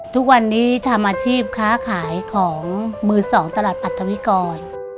ทุกวันนี้ทำอาชีพค้าขายของมือสองตลาดอัธวิกร